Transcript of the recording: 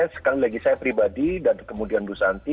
sekali lagi saya pribadi dan kemudian bu santi